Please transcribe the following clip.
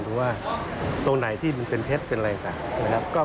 ดูว่าตรงไหนที่เป็นเพชรเป็นอะไรจักร